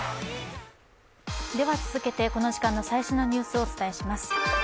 続けてこの時間の最新のニュースをお伝えします。